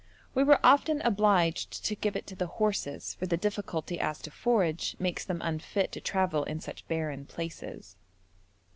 We were often obliged to give it to the horses, for the difficulty as to forage makes them unfit to travel in such barren places.